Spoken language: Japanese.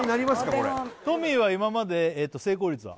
これトミーは今まで成功率は？